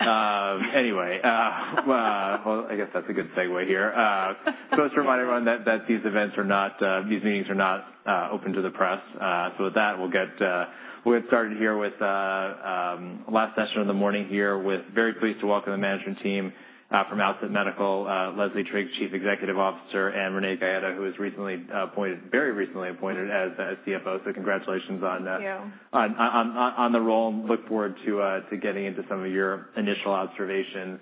Anyway, I guess that's a good segue here. I just want to remind everyone that these events are not—these meetings are not open to the press. With that, we'll get started here with the last session of the morning here. Very pleased to welcome the management team from Outset Medical, Leslie Trigg, Chief Executive Officer, and Renee Gaeta, who was very recently appointed as CFO. Congratulations on the role. Look forward to getting into some of your initial observations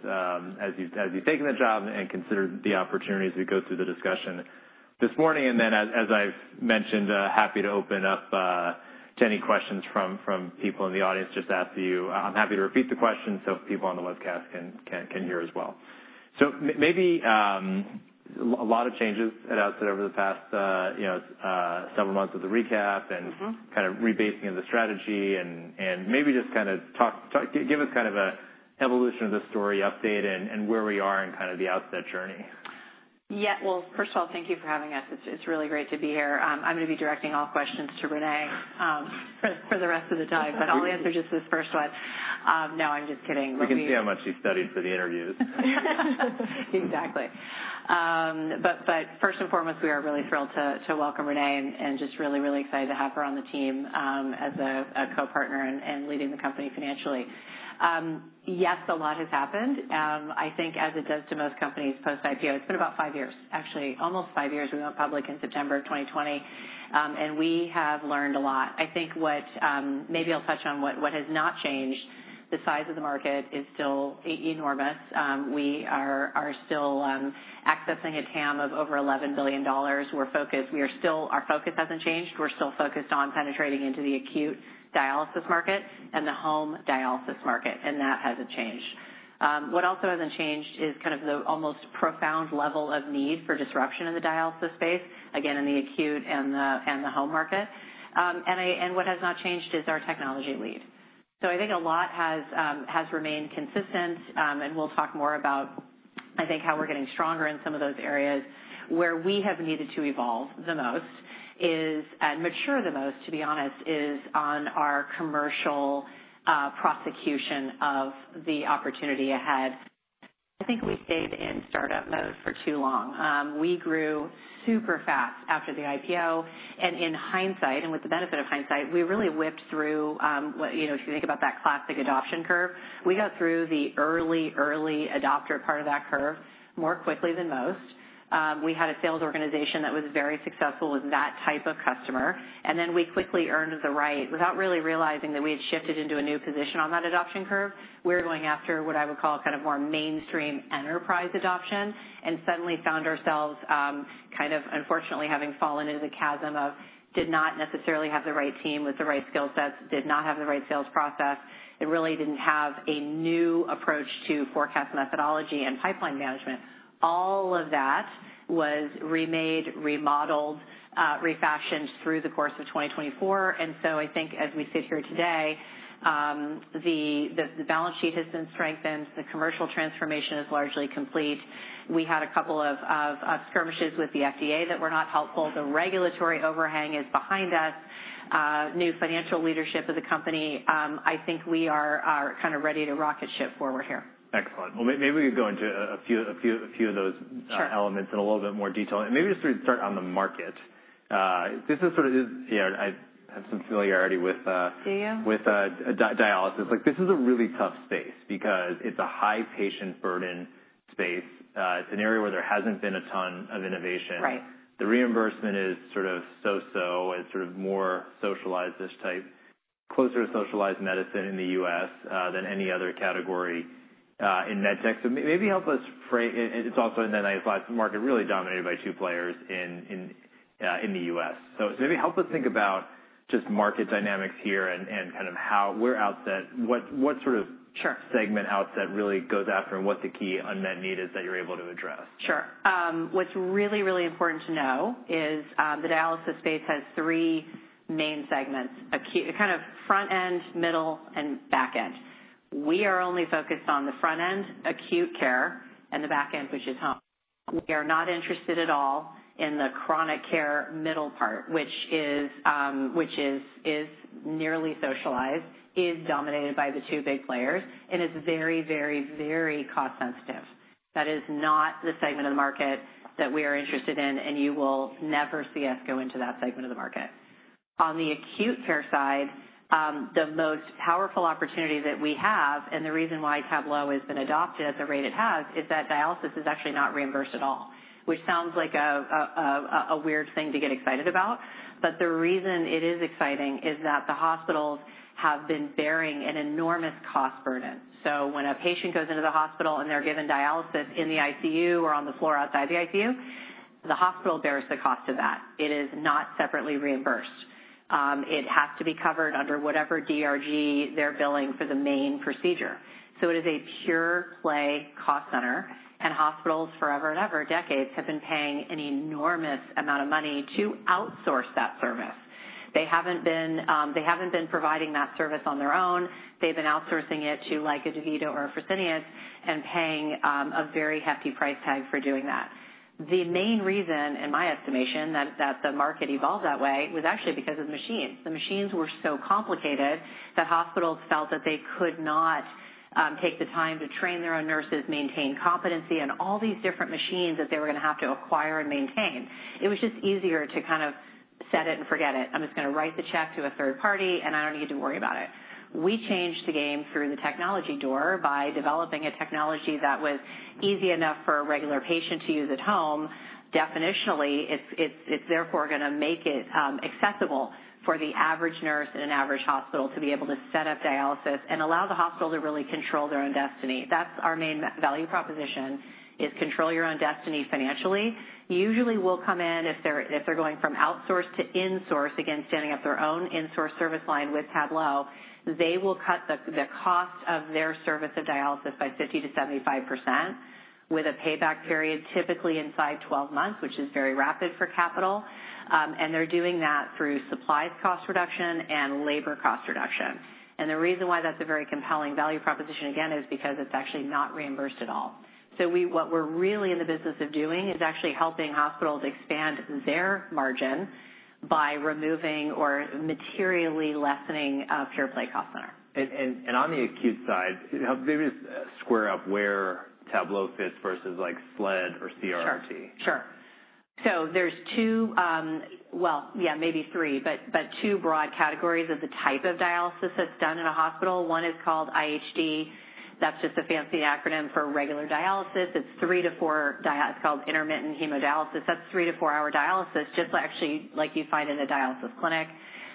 as you've taken the job and considered the opportunity as we go through the discussion this morning. As I've mentioned, happy to open up to any questions from people in the audience just after you. I'm happy to repeat the questions so people on the webcast can hear as well. Maybe a lot of changes at Outset over the past several months with the recap and kind of rebasing of the strategy, and maybe just kind of give us kind of an evolution of the story update and where we are in kind of the Outset journey. Yeah. First of all, thank you for having us. It's really great to be here. I'm going to be directing all questions to Renee for the rest of the time, but I'll answer just this first one. No, I'm just kidding. You can see how much she studied for the interviews. Exactly. First and foremost, we are really thrilled to welcome Renee and just really, really excited to have her on the team as a co-partner and leading the company financially. Yes, a lot has happened. I think as it does to most companies post-IPO, it has been about five years, actually almost five years. We went public in September of 2020, and we have learned a lot. I think what maybe I'll touch on is what has not changed. The size of the market is still enormous. We are still accessing a TAM of over $11 billion. Our focus hasn't changed. We are still focused on penetrating into the acute dialysis market and the home dialysis market, and that hasn't changed. What also hasn't changed is kind of the almost profound level of need for disruption in the dialysis space, again, in the acute and the home market. What has not changed is our technology lead. I think a lot has remained consistent, and we'll talk more about, I think, how we're getting stronger in some of those areas. Where we have needed to evolve the most and mature the most, to be honest, is on our commercial prosecution of the opportunity ahead. I think we stayed in startup mode for too long. We grew super fast after the IPO. In hindsight, and with the benefit of hindsight, we really whipped through—if you think about that classic adoption curve—we got through the early, early adopter part of that curve more quickly than most. We had a sales organization that was very successful with that type of customer. We quickly earned the right, without really realizing that we had shifted into a new position on that adoption curve. We were going after what I would call kind of more mainstream enterprise adoption and suddenly found ourselves kind of, unfortunately, having fallen into the chasm of did not necessarily have the right team with the right skill sets, did not have the right sales process, and really did not have a new approach to forecast methodology and pipeline management. All of that was remade, remodeled, refashioned through the course of 2024. I think as we sit here today, the balance sheet has been strengthened. The commercial transformation is largely complete. We had a couple of skirmishes with the FDA that were not helpful. The regulatory overhang is behind us. New financial leadership of the company. I think we are kind of ready to rocket ship forward here. Excellent. Maybe we could go into a few of those elements in a little bit more detail. Maybe just start on the market. This is sort of—yeah, I have some familiarity with. Do you? Dialysis. This is a really tough space because it's a high patient burden space. It's an area where there hasn't been a ton of innovation. The reimbursement is sort of so-so and sort of more socialized-ish type, closer to socialized medicine in the U.S. than any other category in med tech. Maybe help us frame—it's also in the United States. The market is really dominated by two players in the U.S. Maybe help us think about just market dynamics here and kind of where Outset—what sort of segment Outset really goes after and what the key unmet need is that you're able to address. Sure. What's really, really important to know is the dialysis space has three main segments: kind of front end, middle, and back end. We are only focused on the front end, acute care, and the back end, which is home. We are not interested at all in the chronic care middle part, which is nearly socialized, is dominated by the two big players, and is very, very, very cost-sensitive. That is not the segment of the market that we are interested in, and you will never see us go into that segment of the market. On the acute care side, the most powerful opportunity that we have—and the reason why Tablo has been adopted at the rate it has—is that dialysis is actually not reimbursed at all, which sounds like a weird thing to get excited about. The reason it is exciting is that the hospitals have been bearing an enormous cost burden. When a patient goes into the hospital and they're given dialysis in the ICU or on the floor outside the ICU, the hospital bears the cost of that. It is not separately reimbursed. It has to be covered under whatever DRG they're billing for the main procedure. It is a pure-play cost center, and hospitals forever and ever, decades, have been paying an enormous amount of money to outsource that service. They haven't been providing that service on their own. They've been outsourcing it to a DaVita or a Fresenius and paying a very hefty price tag for doing that. The main reason, in my estimation, that the market evolved that way was actually because of machines. The machines were so complicated that hospitals felt that they could not take the time to train their own nurses, maintain competency, and all these different machines that they were going to have to acquire and maintain. It was just easier to kind of set it and forget it. I'm just going to write the check to a third party, and I don't need to worry about it. We changed the game through the technology door by developing a technology that was easy enough for a regular patient to use at home. Definitionally, it's therefore going to make it accessible for the average nurse in an average hospital to be able to set up dialysis and allow the hospital to really control their own destiny. That's our main value proposition: control your own destiny financially. Usually, we'll come in if they're going from outsource to insource, against standing up their own insource service line with Tablo. They will cut the cost of their service of dialysis by 50-75% with a payback period typically inside 12 months, which is very rapid for capital. They're doing that through supplies cost reduction and labor cost reduction. The reason why that's a very compelling value proposition, again, is because it's actually not reimbursed at all. What we're really in the business of doing is actually helping hospitals expand their margin by removing or materially lessening a pure-play cost center. On the acute side, maybe just square up where Tablo fits versus SLED or CRRT. Sure. There are two—well, yeah, maybe three—but two broad categories of the type of dialysis that's done in a hospital. One is called IHD. That's just a fancy acronym for regular dialysis. It's three to four—it's called intermittent hemodialysis. That's three to four-hour dialysis, just actually like you find in a dialysis clinic.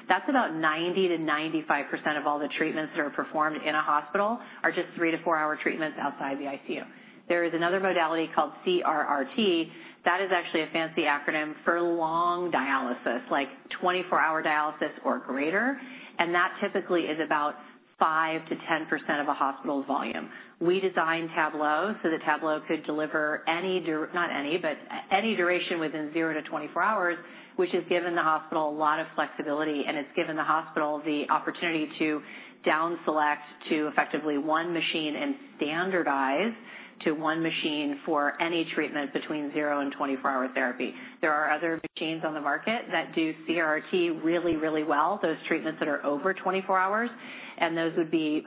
That's about 90% to 95% of all the treatments that are performed in a hospital are just three to four-hour treatments outside the ICU. There is another modality called CRRT. That is actually a fancy acronym for long dialysis, like 24-hour dialysis or greater. That typically is about 5% to 10% of a hospital's volume. We designed Tablo so that Tablo could deliver any—not any, but any duration within 0 to 24 hours, which has given the hospital a lot of flexibility, and it's given the hospital the opportunity to downselect to effectively one machine and standardize to one machine for any treatment between 0 and 24-hour therapy. There are other machines on the market that do CRRT really, really well, those treatments that are over 24 hours. And those would be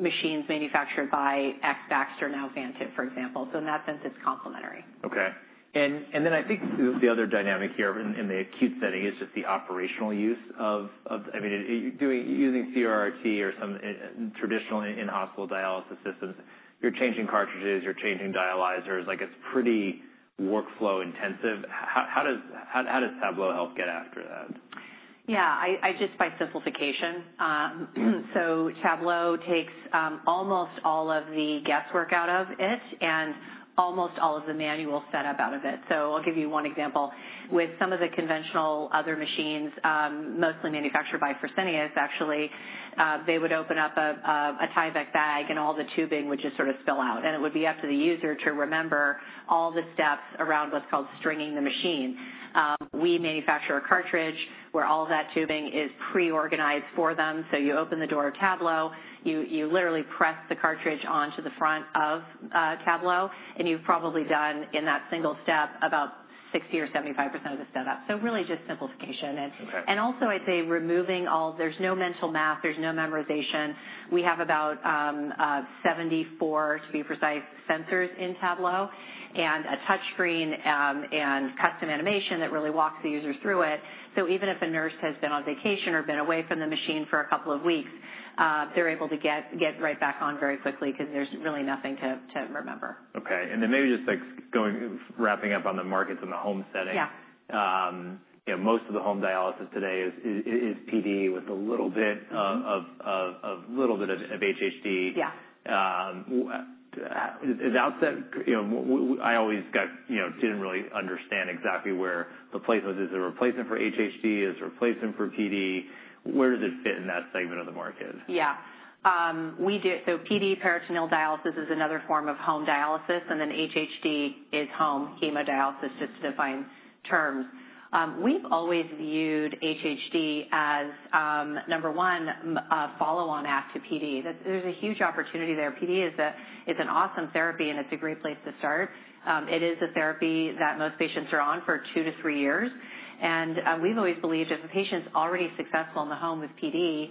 machines manufactured by Baxter, now Vantive, for example. In that sense, it's complementary. Okay. I think the other dynamic here in the acute setting is just the operational use of—I mean, using CRRT or some traditional in-hospital dialysis systems, you're changing cartridges, you're changing dialyzers. It's pretty workflow intensive. How does Tablo help get after that? Yeah. Just by simplification. Tablo takes almost all of the guesswork out of it and almost all of the manual setup out of it. I'll give you one example. With some of the conventional other machines, mostly manufactured by Fresenius, actually, they would open up a Tyvek bag, and all the tubing would just sort of spill out. It would be up to the user to remember all the steps around what's called stringing the machine. We manufacture a cartridge where all that tubing is pre-organized for them. You open the door of Tablo, you literally press the cartridge onto the front of Tablo, and you've probably done, in that single step, about 60% or 75% of the setup. Really just simplification. Also, I'd say removing all—there's no mental math, there's no memorization. We have about 74, to be precise, sensors in Tablo and a touchscreen and custom animation that really walks the user through it. Even if a nurse has been on vacation or been away from the machine for a couple of weeks, they're able to get right back on very quickly because there's really nothing to remember. Okay. And then maybe just wrapping up on the markets in the home setting, most of the home dialysis today is PD with a little bit of HHD. Is Outset—I always didn't really understand exactly where replacement is a replacement for HHD, is a replacement for PD. Where does it fit in that segment of the market? Yeah. PD, peritoneal dialysis, is another form of home dialysis. HHD is home hemodialysis, just to define terms. We've always viewed HHD as, number one, a follow-on act to PD. There's a huge opportunity there. PD is an awesome therapy, and it's a great place to start. It is a therapy that most patients are on for two to three years. We've always believed if a patient's already successful in the home with PD,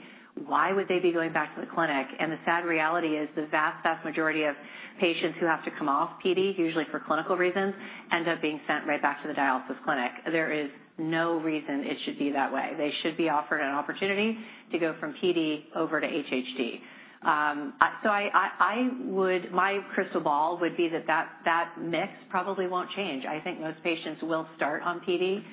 why would they be going back to the clinic? The sad reality is the vast, vast majority of patients who have to come off PD, usually for clinical reasons, end up being sent right back to the dialysis clinic. There is no reason it should be that way. They should be offered an opportunity to go from PD over to HHD. My crystal ball would be that that mix probably won't change. I think most patients will start on PD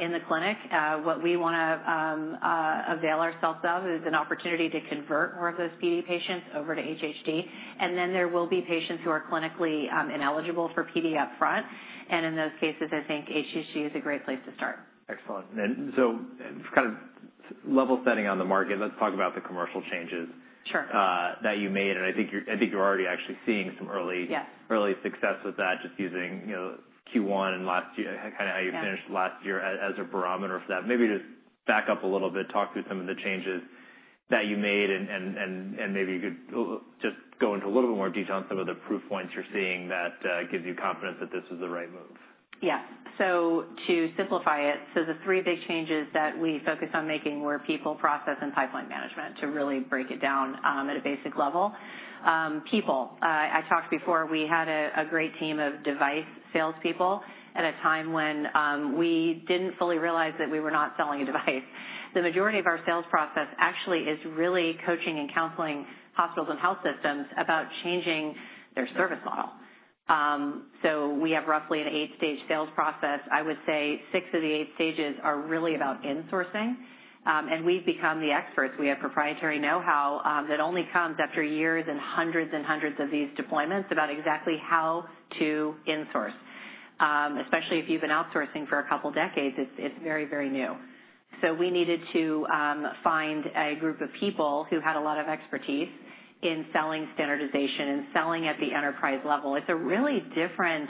in the clinic. What we want to avail ourselves of is an opportunity to convert more of those PD patients over to HHD. And then there will be patients who are clinically ineligible for PD upfront. In those cases, I think HHD is a great place to start. Excellent. Kind of level setting on the market, let's talk about the commercial changes that you made. I think you're already actually seeing some early success with that, just using Q1 and kind of how you finished last year as a barometer for that. Maybe just back up a little bit, talk through some of the changes that you made, and maybe you could just go into a little bit more detail on some of the proof points you're seeing that give you confidence that this is the right move. Yeah. To simplify it, the three big changes that we focused on making were people, process, and pipeline management to really break it down at a basic level. People, I talked before, we had a great team of device salespeople at a time when we did not fully realize that we were not selling a device. The majority of our sales process actually is really coaching and counseling hospitals and health systems about changing their service model. We have roughly an eight-stage sales process. I would say six of the eight stages are really about insourcing. We have become the experts. We have proprietary know-how that only comes after years and hundreds and hundreds of these deployments about exactly how to insource, especially if you have been outsourcing for a couple of decades. It is very, very new. We needed to find a group of people who had a lot of expertise in selling standardization and selling at the enterprise level. It's a really different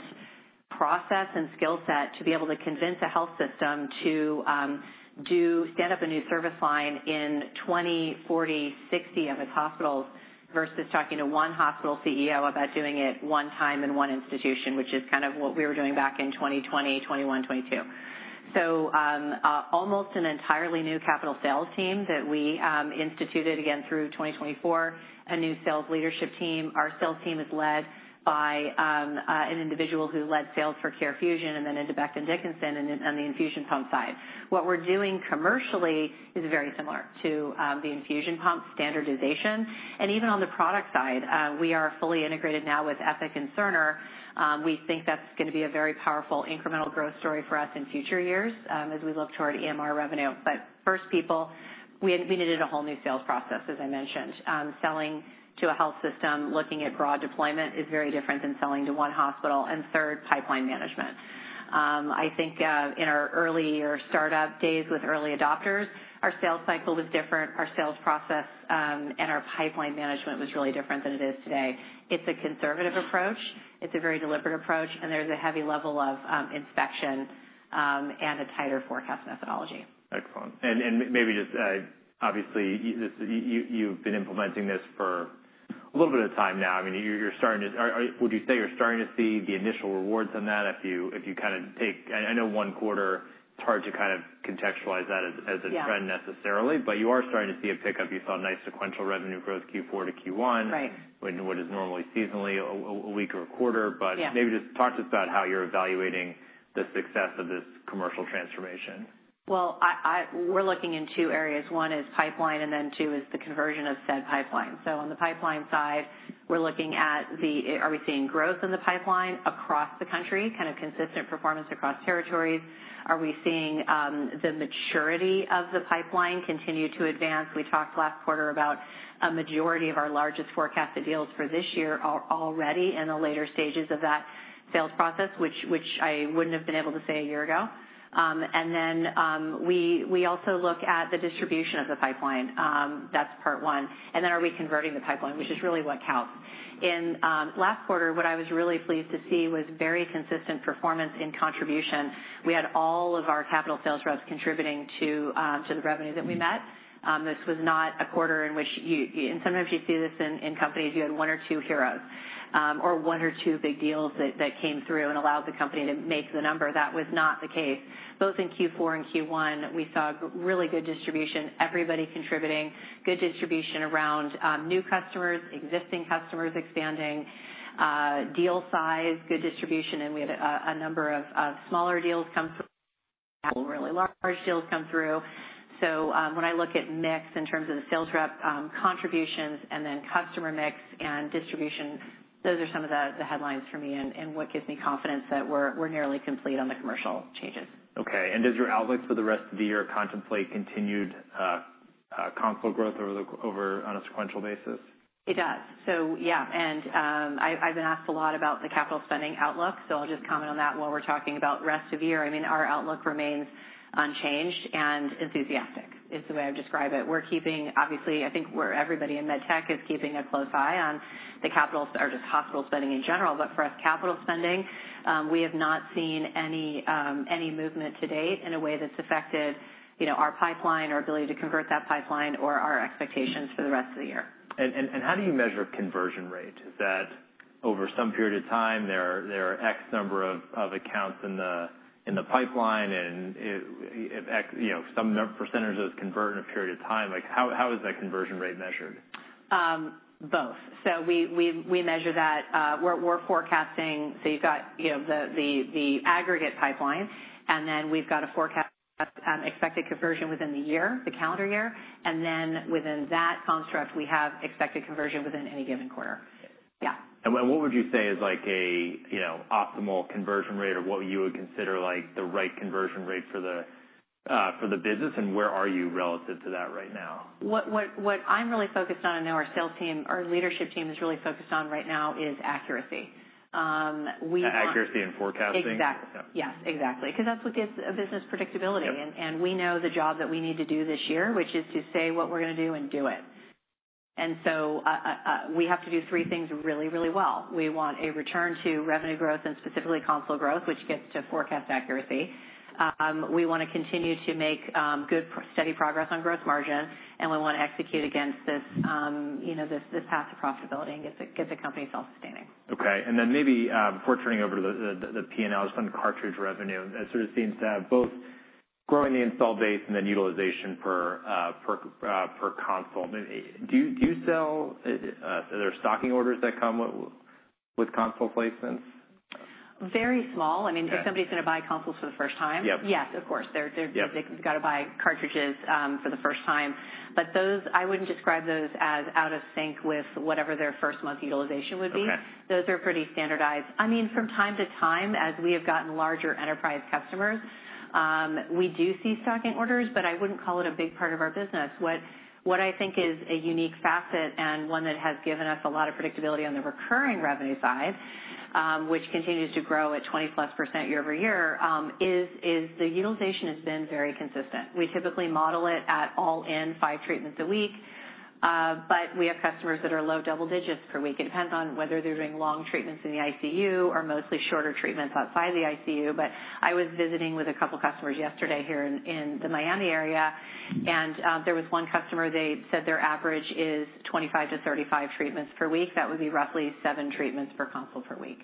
process and skill set to be able to convince a health system to stand up a new service line in 20, 40, 60 of its hospitals versus talking to one hospital CEO about doing it one time in one institution, which is kind of what we were doing back in 2020, 2021, 2022. Almost an entirely new capital sales team that we instituted again through 2024, a new sales leadership team. Our sales team is led by an individual who led sales for CareFusion and then into Becton Dickinson on the infusion pump side. What we're doing commercially is very similar to the infusion pump standardization. Even on the product side, we are fully integrated now with Epic and Cerner. We think that's going to be a very powerful incremental growth story for us in future years as we look toward EMR revenue. First, people, we needed a whole new sales process, as I mentioned. Selling to a health system, looking at broad deployment is very different than selling to one hospital. Third, pipeline management. I think in our earlier startup days with early adopters, our sales cycle was different. Our sales process and our pipeline management was really different than it is today. It's a conservative approach. It's a very deliberate approach, and there's a heavy level of inspection and a tighter forecast methodology. Excellent. Maybe just obviously, you've been implementing this for a little bit of time now. I mean, would you say you're starting to see the initial rewards on that if you kind of take—I know one quarter, it's hard to kind of contextualize that as a trend necessarily, but you are starting to see a pickup. You saw nice sequential revenue growth Q4 to Q1, what is normally seasonally a weak quarter. Maybe just talk to us about how you're evaluating the success of this commercial transformation. We're looking in two areas. One is pipeline, and then two is the conversion of said pipeline. On the pipeline side, we're looking at the—are we seeing growth in the pipeline across the country, kind of consistent performance across territories? Are we seeing the maturity of the pipeline continue to advance? We talked last quarter about a majority of our largest forecasted deals for this year are already in the later stages of that sales process, which I wouldn't have been able to say a year ago. We also look at the distribution of the pipeline. That's part one. Then are we converting the pipeline, which is really what counts? In last quarter, what I was really pleased to see was very consistent performance in contribution. We had all of our capital sales reps contributing to the revenue that we met. This was not a quarter in which—and sometimes you see this in companies—you had one or two heroes or one or two big deals that came through and allowed the company to make the number. That was not the case. Both in Q4 and Q1, we saw really good distribution, everybody contributing, good distribution around new customers, existing customers expanding, deal size, good distribution. We had a number of smaller deals come through, really large deals come through. When I look at mix in terms of the sales rep contributions and then customer mix and distribution, those are some of the headlines for me and what gives me confidence that we're nearly complete on the commercial changes. Okay. Does your outlook for the rest of the year contemplate continued console growth on a sequential basis? It does. Yeah. I've been asked a lot about the capital spending outlook. I'll just comment on that while we're talking about rest of year. I mean, our outlook remains unchanged and enthusiastic is the way I would describe it. We're keeping—obviously, I think everybody in med tech is keeping a close eye on the capital or just hospital spending in general. For us, capital spending, we have not seen any movement to date in a way that's affected our pipeline, our ability to convert that pipeline, or our expectations for the rest of the year. How do you measure conversion rate? Is that over some period of time, there are X number of accounts in the pipeline and some percentage of those convert in a period of time? How is that conversion rate measured? Both. We measure that. We're forecasting, so you've got the aggregate pipeline, and then we've got a forecast expected conversion within the year, the calendar year. Within that construct, we have expected conversion within any given quarter. Yeah. What would you say is an optimal conversion rate or what you would consider the right conversion rate for the business? What are you relative to that right now? What I'm really focused on, and our leadership team is really focused on right now, is accuracy. Accuracy and forecasting. Exactly. Yes, exactly. Because that's what gives a business predictability. We know the job that we need to do this year, which is to say what we're going to do and do it. We have to do three things really, really well. We want a return to revenue growth and specifically console growth, which gets to forecast accuracy. We want to continue to make good steady progress on gross margin, and we want to execute against this path of profitability and get the company self-sustaining. Okay. And then maybe before turning over to the P&L, just on cartridge revenue, it sort of seems to have both growing the install base and then utilization per console. Do you sell—are there stocking orders that come with console placements? Very small. I mean, if somebody's going to buy consoles for the first time, yes, of course. They've got to buy cartridges for the first time. I wouldn't describe those as out of sync with whatever their first month utilization would be. Those are pretty standardized. I mean, from time to time, as we have gotten larger enterprise customers, we do see stocking orders, but I wouldn't call it a big part of our business. What I think is a unique facet and one that has given us a lot of predictability on the recurring revenue side, which continues to grow at 20+% year over year, is the utilization has been very consistent. We typically model it at all-in five treatments a week, but we have customers that are low double digits per week. It depends on whether they're doing long treatments in the ICU or mostly shorter treatments outside the ICU. I was visiting with a couple of customers yesterday here in the Miami area, and there was one customer. They said their average is 25-35 treatments per week. That would be roughly seven treatments per console per week.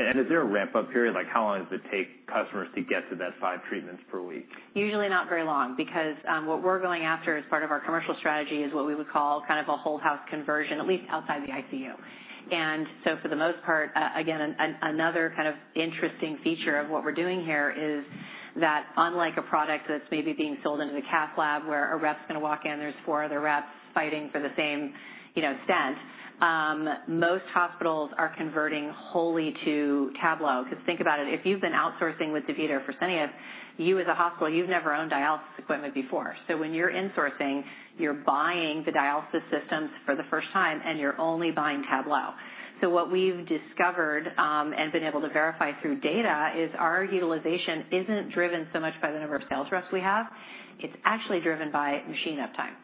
Is there a ramp-up period? How long does it take customers to get to that five treatments per week? Usually not very long because what we're going after as part of our commercial strategy is what we would call kind of a whole-house conversion, at least outside the ICU. For the most part, again, another kind of interesting feature of what we're doing here is that unlike a product that's maybe being sold into the cath lab where a rep's going to walk in, there's four other reps fighting for the same stent, most hospitals are converting wholly to Tablo. Think about it. If you've been outsourcing with DaVita or Fresenius, you as a hospital, you've never owned dialysis equipment before. When you're insourcing, you're buying the dialysis systems for the first time, and you're only buying Tablo. What we've discovered and been able to verify through data is our utilization isn't driven so much by the number of sales reps we have. It's actually driven by machine uptime.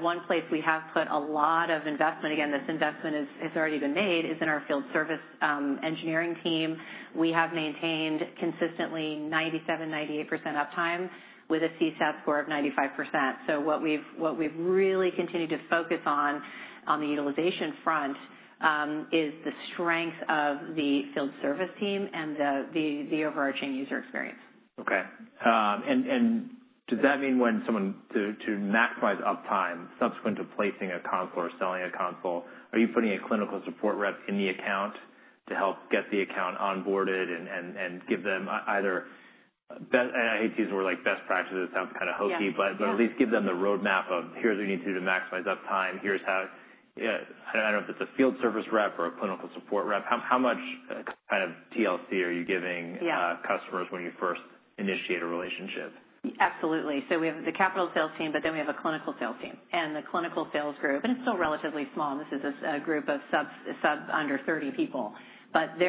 One place we have put a lot of investment—again, this investment has already been made—is in our field service engineering team. We have maintained consistently 97%-98% uptime with a CSAT score of 95%. What we've really continued to focus on on the utilization front is the strength of the field service team and the overarching user experience. Okay. Does that mean when someone, to maximize uptime subsequent to placing a console or selling a console, are you putting a clinical support rep in the account to help get the account on boarded and give them either—and I hate to use the word best practices. It sounds kind of hokey, but at least give them the roadmap of, "Here's what you need to do to maximize uptime. Here's how." I do not know if it is a field service rep or a clinical support rep. How much kind of TLC are you giving customers when you first initiate a relationship? Absolutely. We have the capital sales team, but then we have a clinical sales team. The clinical sales group, and it's still relatively small, and this is a group of under 30 people, but they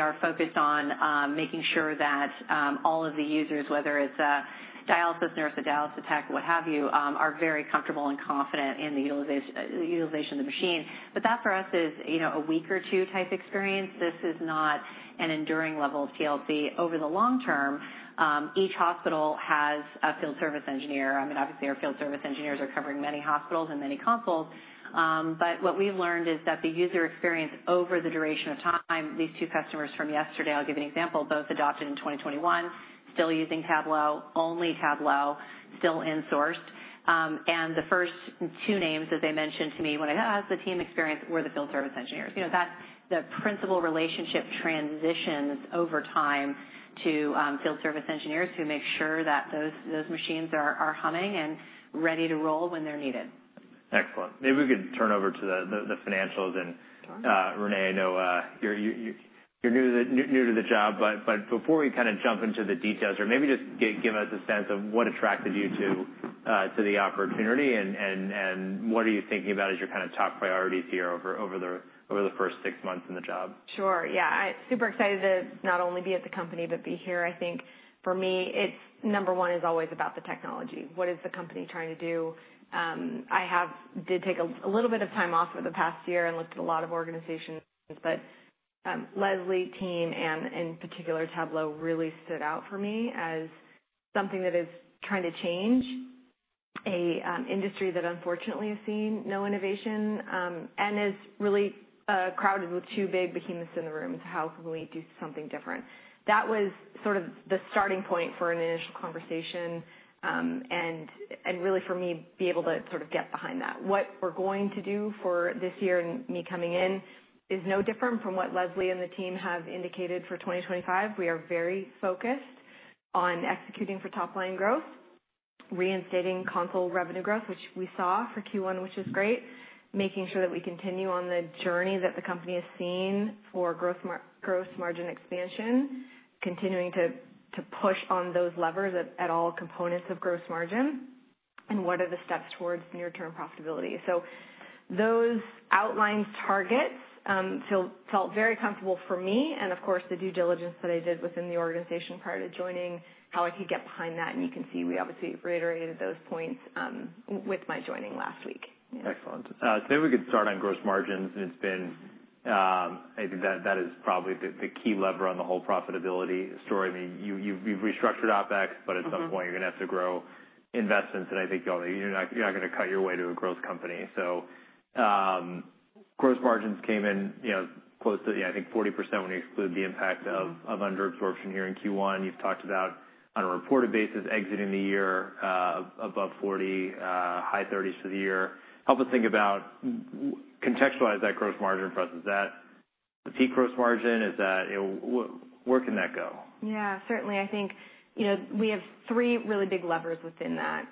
are focused on making sure that all of the users, whether it's a dialysis nurse, a dialysis tech, what have you, are very comfortable and confident in the utilization of the machine. That for us is a week or two type experience. This is not an enduring level of TLC. Over the long term, each hospital has a field service engineer. I mean, obviously, our field service engineers are covering many hospitals and many consoles. What we've learned is that the user experience over the duration of time, these two customers from yesterday, I'll give an example, both adopted in 2021, still using Tablo, only Tablo, still insourced. The first two names, as they mentioned to me when I asked the team experience, were the field service engineers. That's the principal relationship transitions over time to field service engineers who make sure that those machines are humming and ready to roll when they're needed. Excellent. Maybe we could turn over to the financials. Renee, I know you're new to the job, but before we kind of jump into the details, maybe just give us a sense of what attracted you to the opportunity and what are you thinking about as your kind of top priorities here over the first six months in the job? Sure. Yeah. Super excited to not only be at the company but be here. I think for me, number one is always about the technology. What is the company trying to do? I did take a little bit of time off over the past year and looked at a lot of organizations, but Leslie, team, and in particular Tablo really stood out for me as something that is trying to change an industry that unfortunately has seen no innovation and is really crowded with two big behemoths in the room. How can we do something different? That was sort of the starting point for an initial conversation and really for me to be able to sort of get behind that. What we are going to do for this year and me coming in is no different from what Leslie and the team have indicated for 2025. We are very focused on executing for top-line growth, reinstating console revenue growth, which we saw for Q1, which is great, making sure that we continue on the journey that the company has seen for gross margin expansion, continuing to push on those levers at all components of gross margin, and what are the steps towards near-term profitability. Those outlined targets felt very comfortable for me. Of course, the due diligence that I did within the organization prior to joining, how I could get behind that. You can see we obviously reiterated those points with my joining last week. Excellent. Maybe we could start on gross margins. I think that is probably the key lever on the whole profitability story, you've restructured OpEx, but at some point, you're going to have to grow investments. I think you're not going to cut your way to a growth company. Gross margins came in close to, yeah, I think 40% when you exclude the impact of underabsorption here in Q1. You've talked about on a reported basis exiting the year above 40%, high 30s for the year. Help us think about, contextualize that gross margin for us. Is that the peak gross margin? Where can that go? Yeah. Certainly. I think we have three really big levers within that: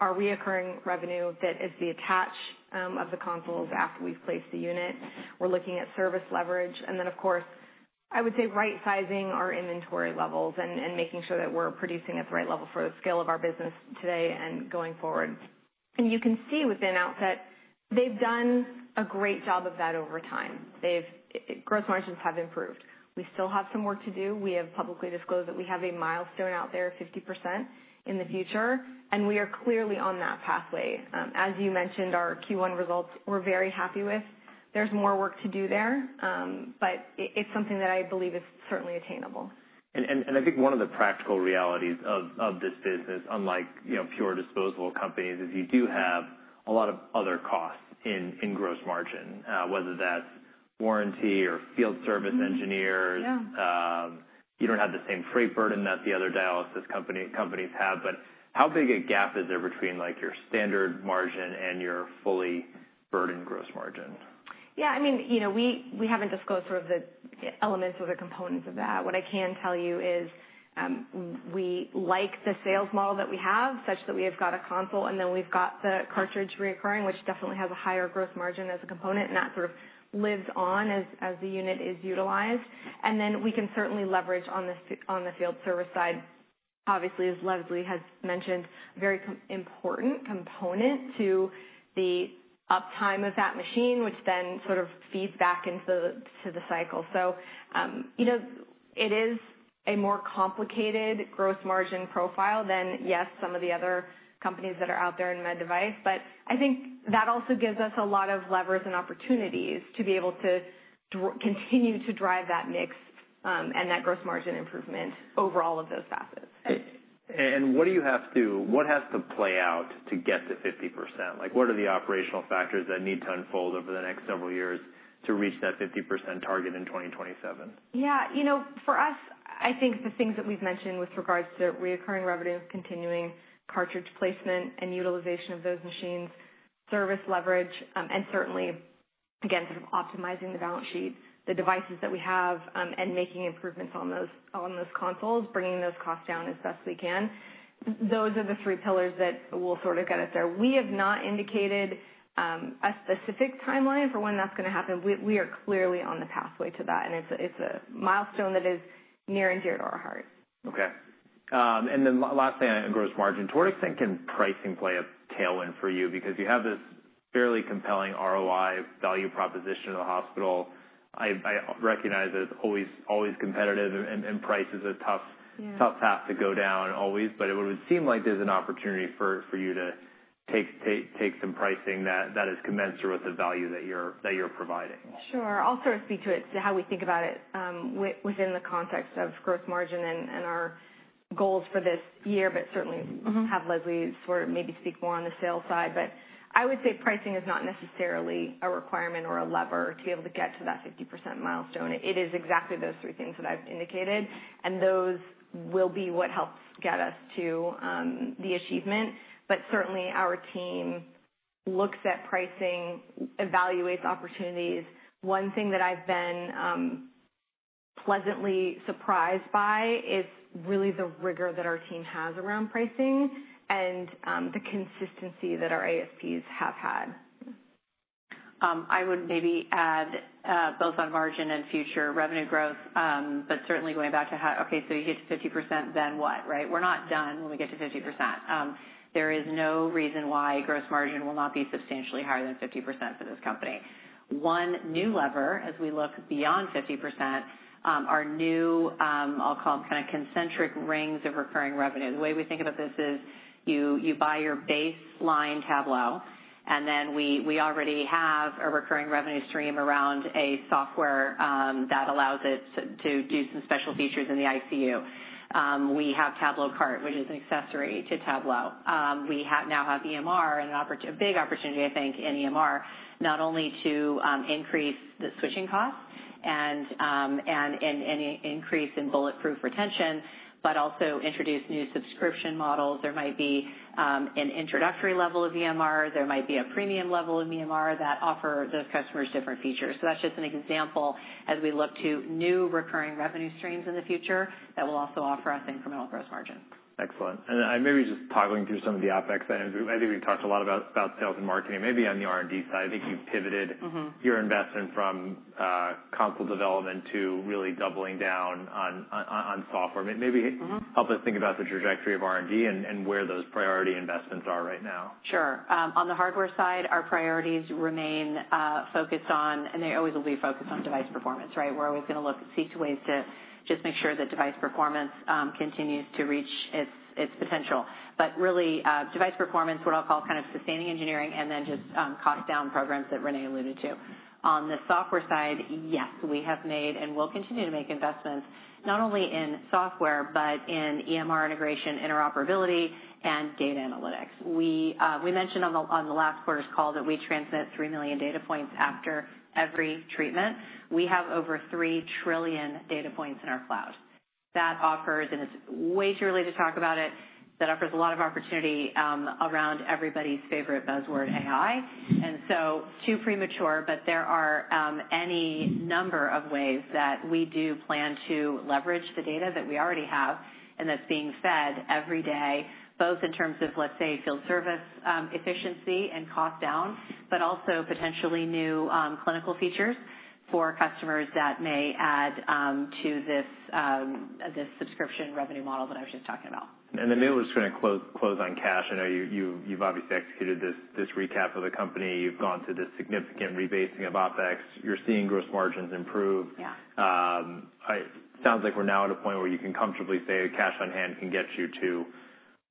our recurring revenue that is the attach of the consoles after we've placed the unit. We're looking at service leverage. Of course, I would say right-sizing our inventory levels and making sure that we're producing at the right level for the scale of our business today and going forward. You can see within Outset, they've done a great job of that over time. Gross margins have improved. We still have some work to do. We have publicly disclosed that we have a milestone out there, 50% in the future, and we are clearly on that pathway. As you mentioned, our Q1 results, we're very happy with. There's more work to do there, but it's something that I believe is certainly attainable. I think one of the practical realities of this business, unlike pure disposable companies, is you do have a lot of other costs in gross margin, whether that's warranty or field service engineers. You don't have the same freight burden that the other dialysis companies have. How big a gap is there between your standard margin and your fully burdened gross margin? Yeah. I mean, we have not disclosed sort of the elements or the components of that. What I can tell you is we like the sales model that we have such that we have got a console, and then we have got the cartridge reoccurring, which definitely has a higher gross margin as a component, and that sort of lives on as the unit is utilized. We can certainly leverage on the field service side, obviously, as Leslie has mentioned, a very important component to the uptime of that machine, which then sort of feeds back into the cycle. It is a more complicated gross margin profile than, yes, some of the other companies that are out there in med device. I think that also gives us a lot of levers and opportunities to be able to continue to drive that mix and that gross margin improvement over all of those facets. What do you have to, what has to play out to get to 50%? What are the operational factors that need to unfold over the next several years to reach that 50% target in 2027? Yeah. For us, I think the things that we've mentioned with regards to reoccurring revenue, continuing cartridge placement and utilization of those machines, service leverage, and certainly, again, sort of optimizing the balance sheet, the devices that we have, and making improvements on those consoles, bringing those costs down as best we can. Those are the three pillars that will sort of get us there. We have not indicated a specific timeline for when that's going to happen. We are clearly on the pathway to that, and it's a milestone that is near and dear to our heart. Okay. Lastly, on gross margin, to what extent can pricing play a tailwind for you? Because you have this fairly compelling ROI value proposition of the hospital. I recognize that it's always competitive, and price is a tough path to go down always, but it would seem like there's an opportunity for you to take some pricing that is commensurate with the value that you're providing. Sure. I'll sort of speak to it, how we think about it within the context of gross margin and our goals for this year, but certainly have Leslie sort of maybe speak more on the sales side. I would say pricing is not necessarily a requirement or a lever to be able to get to that 50% milestone. It is exactly those three things that I've indicated, and those will be what helps get us to the achievement. Certainly, our team looks at pricing, evaluates opportunities. One thing that I've been pleasantly surprised by is really the rigor that our team has around pricing and the consistency that our ASPs have had. I would maybe add both on margin and future revenue growth, but certainly going back to, "Okay, so you hit 50%, then what?" Right? We're not done when we get to 50%. There is no reason why gross margin will not be substantially higher than 50% for this company. One new lever as we look beyond 50% are new, I'll call them kind of concentric rings of recurring revenue. The way we think about this is you buy your baseline Tablo, and then we already have a recurring revenue stream around a software that allows it to do some special features in the ICU. We have Tablo Cart, which is an accessory to Tablo. We now have EMR and a big opportunity, I think, in EMR, not only to increase the switching costs and an increase in bulletproof retention, but also introduce new subscription models. There might be an introductory level of EMR. There might be a premium level of EMR that offers those customers different features. That's just an example as we look to new recurring revenue streams in the future that will also offer us incremental gross margin. Excellent. I'm maybe just toggling through some of the OpEx. I think we've talked a lot about sales and marketing. Maybe on the R&D side, I think you've pivoted your investment from console development to really doubling down on software. Maybe help us think about the trajectory of R&D and where those priority investments are right now. Sure. On the hardware side, our priorities remain focused on, and they always will be focused on device performance, right? We're always going to look to seek ways to just make sure that device performance continues to reach its potential. Really, device performance, what I'll call kind of sustaining engineering, and then just cost-down programs that Renee alluded to. On the software side, yes, we have made and will continue to make investments not only in software but in EMR integration, interoperability, and data analytics. We mentioned on the last quarter's call that we transmit 3 million data points after every treatment. We have over 3 trillion data points in our cloud. That offers, and it's way too early to talk about it, that offers a lot of opportunity around everybody's favorite buzzword, AI. Too premature, but there are any number of ways that we do plan to leverage the data that we already have and that's being fed every day, both in terms of, let's say, field service efficiency and cost down, but also potentially new clinical features for customers that may add to this subscription revenue model that I was just talking about. Maybe we're just going to close on cash. I know you've obviously executed this recap of the company. You've gone to this significant rebasing of OpEx. You're seeing gross margins improve. It sounds like we're now at a point where you can comfortably say cash on hand can get you to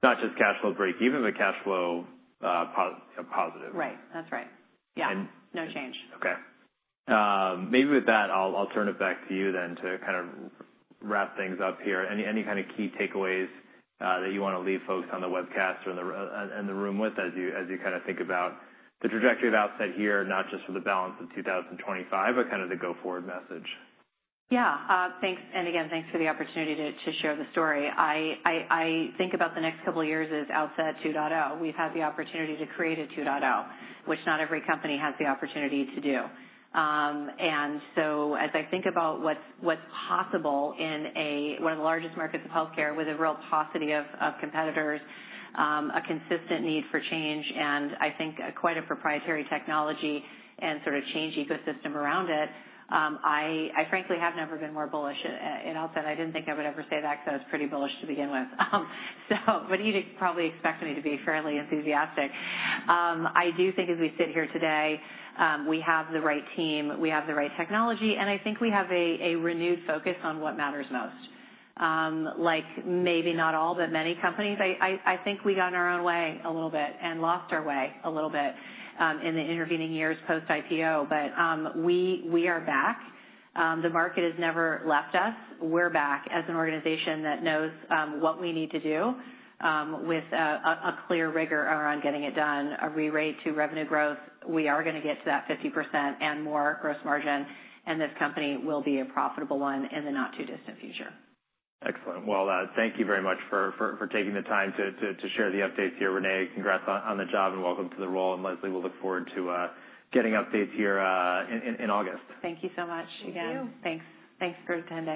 not just cash flow break even, but cash flow positive. Right. That's right. Yeah. No change. Okay. Maybe with that, I'll turn it back to you then to kind of wrap things up here. Any kind of key takeaways that you want to leave folks on the webcast or in the room with as you kind of think about the trajectory of Outset here, not just for the balance of 2025, but kind of the go-forward message? Yeah. Thanks. And again, thanks for the opportunity to share the story. I think about the next couple of years as Outset 2.0. We've had the opportunity to create a 2.0, which not every company has the opportunity to do. As I think about what's possible in one of the largest markets of healthcare with a real paucity of competitors, a consistent need for change, and I think quite a proprietary technology and sort of change ecosystem around it, I frankly have never been more bullish. I'll say I didn't think I would ever say that because I was pretty bullish to begin with. You'd probably expect me to be fairly enthusiastic. I do think as we sit here today, we have the right team, we have the right technology, and I think we have a renewed focus on what matters most. Maybe not all, but many companies. I think we got in our own way a little bit and lost our way a little bit in the intervening years post-IPO, but we are back. The market has never left us. We're back as an organization that knows what we need to do with a clear rigor around getting it done, a re-rate to revenue growth. We are going to get to that 50% and more gross margin, and this company will be a profitable one in the not-too-distant future. Excellent. Thank you very much for taking the time to share the updates here, Renee. Congrats on the job and welcome to the role. Leslie, we'll look forward to getting updates here in August. Thank you so much again. Thank you. Thanks. Thanks for attending.